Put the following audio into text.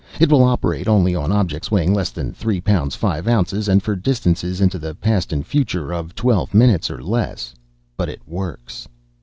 It will operate only on objects weighing less than three pounds, five ounces and for distances into the past and future of twelve minutes or less. But it works."